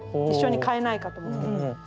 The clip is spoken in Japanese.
一緒に買えないかと思って。